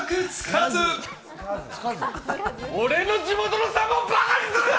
俺の地元のさんまをバカにするな！